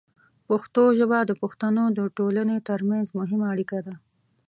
پښتو ژبه د پښتنو د ټولنې ترمنځ مهمه اړیکه ده.